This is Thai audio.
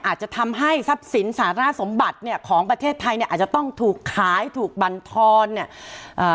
อาจจะทำให้ทรัพย์สินสารสมบัติเนี่ยของประเทศไทยเนี่ยอาจจะต้องถูกขายถูกบรรทอนเนี่ยเอ่อ